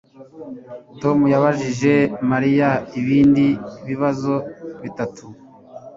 Tom yabajije Mariya ibindi bibazo bitatu